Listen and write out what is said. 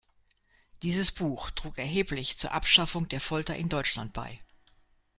Dieses Buch trug erheblich zur Abschaffung der Folter in Deutschland bei.